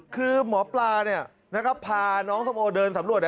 คือหมอปลาเนี่ยพาน้องสมโอมาเดินสำรวจ